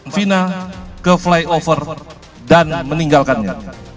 vina ke flyover dan meninggalkannya